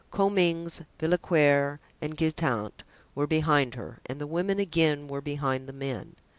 Comminges, Villequier and Guitant were behind her and the women again were behind the men.